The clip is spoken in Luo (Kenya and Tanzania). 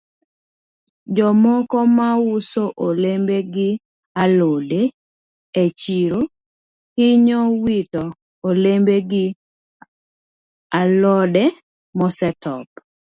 Jomoko ma uso olembe gi alode e chiro hinyo wito olembe gi alode mosetop.